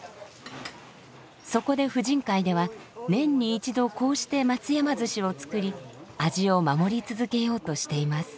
そこで婦人会では年に一度こうして松山鮓を作り味を守り続けようとしています。